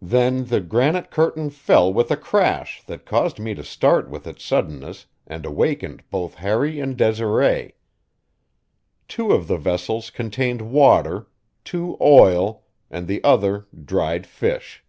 Then the granite curtain fell with a crash that caused me to start with its suddenness and awakened both Harry and Desiree. Two of the vessels contained water, two oil, and the other dried fish.